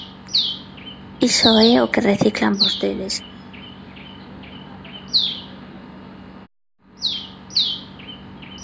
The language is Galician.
Iso é o que reciclan vostedes.